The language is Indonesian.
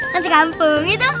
kan sekampung gitu